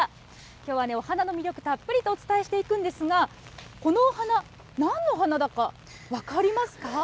きょうはお花の魅力をたっぷりとお伝えしていくんですが、このお花、なんの花だか分かりますか？